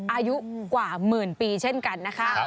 อายุกว่าหมื่นปีเช่นกันนะคะ